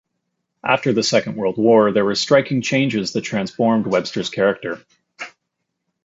After the Second World War, there were striking changes that transformed Webster's character.